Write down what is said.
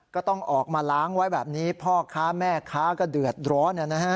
ก็ต้องออกมาล้างไว้แบบนี้พ่อค้าแม่ค้าก็เดือดร้อน